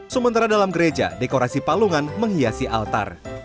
sementara dalam gereja dekorasi palungan menghiasi altar